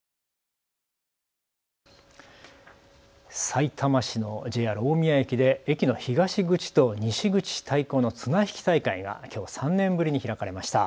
さいたま市のＪＲ大宮駅で駅の東口と西口対抗の綱引き大会がきょう３年ぶりに開かれました。